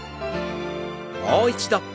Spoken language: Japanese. もう一度。